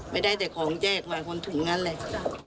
ไม่ได้แต่ของแจกหมายคนถึงงั้นเลย